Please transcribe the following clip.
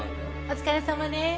お疲れさまです。